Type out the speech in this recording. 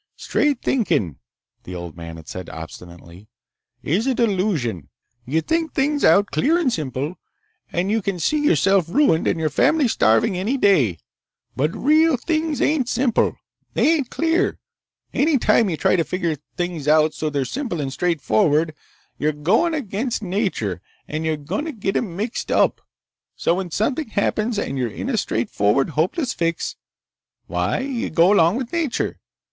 "Straight thinkin'," the old man had said obstinately, "is a delusion. You think things out clear and simple, and you can see yourself ruined and your family starving any day! But real things ain't simple! They ain't clear! Any time you try to figure things out so they're simple and straightforward, you're goin' against nature and you're going to get 'em mixed up! So when something happens and you're in a straightforward, hopeless fix—why, you go along with nature!